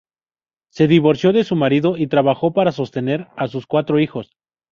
Se divorció de su marido y trabajó para sostener a sus cuatro hijos.